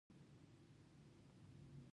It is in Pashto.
نویو فکرونو ته لاره خلاصه کړو.